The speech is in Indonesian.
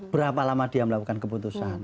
berapa lama dia melakukan keputusan